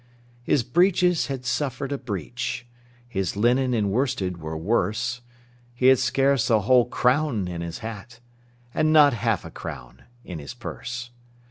His breeches had suffered a breach, His linen and worsted were worse; He had scarce a whole crown in his hat, And not half a crown in his purse.